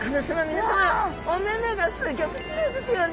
皆さまお目々がすギョくきれいですよね。